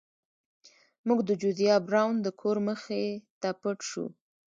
موږ د جوزیا براون د کور مخې ته پټ شو.